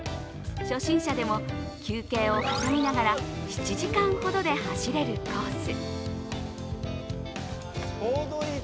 初心者でも休憩を挟みながら７時間ほどで走れるコース。